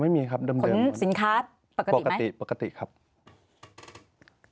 ไม่มีครับเดิมคุณสินค้าปกติไหมปกติครับคุณสินค้าปกติไหม